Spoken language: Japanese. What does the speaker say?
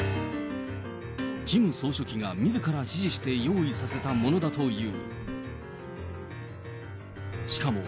キム総書記がみずから指示して用意させたものだという。